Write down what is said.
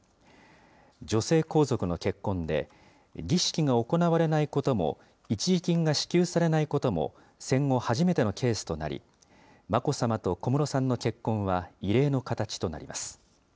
女性皇族の結婚で、儀式が行われないことも、一時金が支給されないことも戦後初めてのケースとなり、眞子さまと小室さんの結婚は異例の形となります。